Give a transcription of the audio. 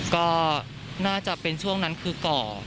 ก็น่าจะเป็นช่วงนั้นคือก่อ